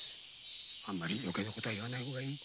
あんまり余計なこと言わない方がいい。